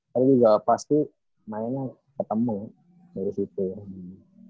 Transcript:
tapi juga pasti mainnya ketemu dari situ ya